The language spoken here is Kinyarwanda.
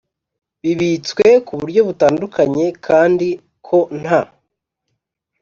bibitswe ku buryo butandukanye kandi ko nta